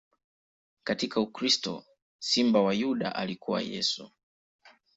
Katika ukristo, Simba wa Yuda alikuwa Yesu.